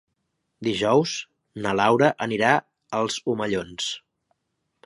Dijous na Laura anirà als Omellons.